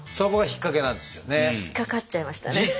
引っかかっちゃいましたね。